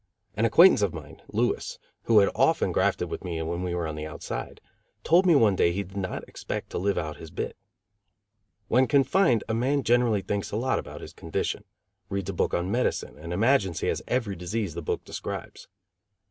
An acquaintance of mine, Louis, who had often grafted with me when we were on the outside, told me one day he did not expect to live his bit out. When confined a man generally thinks a lot about his condition, reads a book on medicine and imagines he has every disease the book describes.